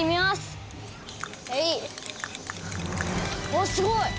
おっすごい！